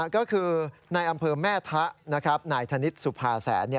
ก็คือในอำเภอแม่ทะนายธนิษฐ์สุภาแสน